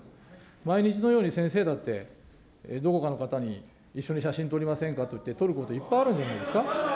毎日のように先生だって、どこかの方に一緒に写真撮りませんかといって撮ることいっぱいあるんじゃないですか。